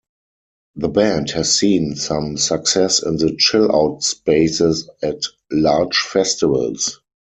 The band has seen some success in the chill out spaces at large festivals.